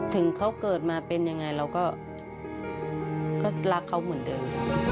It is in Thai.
ถึงเขาเกิดมาเป็นยังไงเราก็รักเขาเหมือนเดิม